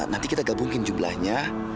nanti kita gabungkan jumlahnya